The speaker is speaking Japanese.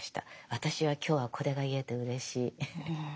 私は今日はこれが言えてうれしい。